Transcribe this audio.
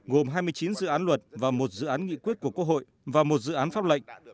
gồm hai mươi chín dự án luật và một dự án nghị quyết của quốc hội và một dự án pháp lệnh